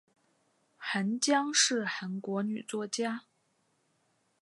韩江是韩国女作家。